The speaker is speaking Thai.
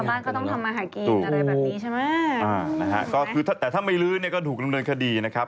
อ้าวนะฮะแต่ถ้าไม่ลื้อก็ถูกดำเนินคดีนะครับ